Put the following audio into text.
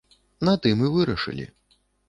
На тым і вырашылі.